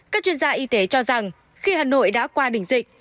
các chuyên gia y tế cho rằng khi hà nội đã qua đỉnh dịch